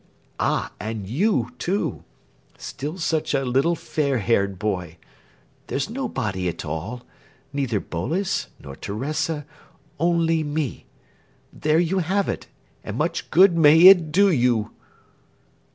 Ah, and you, too! Still such a little fair haired boy! There's nobody at all, neither Boles, nor Teresa, only me. There you have it, and much good may it do you!"